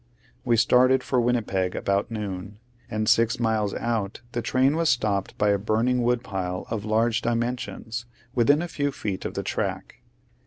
We started for Winnipeg about noon, and six miles out the train was stopped by a burning woodpile of large dimensions, within a few feet of the track.